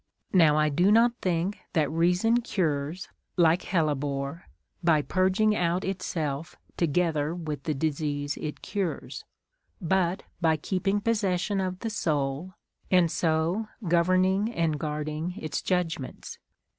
Now I do not think that reason cures, like hellebore, by purging out itself together with the disease it cures, but by keeping possession of the soul, and so governing and guarding its judgments.